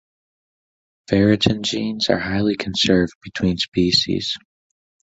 Ferritin genes are highly conserved between species.